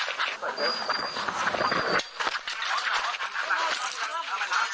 ส่วนนี้นี่ฟะที่วิ่งตามกันอุตลตะหลุดเลยนะครับกว่าจะรวบตัวเอาไว้ได้ครับ